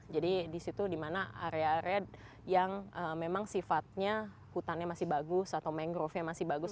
jadi di situ di mana area area yang memang sifatnya hutannya masih bagus atau mangrovenya masih bagus